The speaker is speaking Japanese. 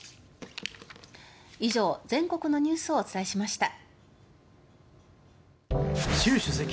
以上、全国のニュースをお伝えしました。